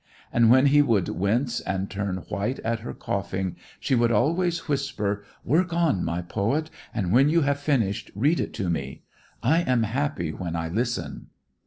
And when he would wince and turn white at her coughing, she would always whisper: "Work on, my poet, and when you have finished read it to me. I am happy when I listen."